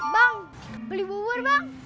bang beli bubur bang